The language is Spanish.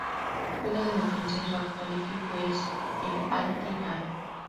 Juega de defensa y su actual equipo es el Al-Ittihad.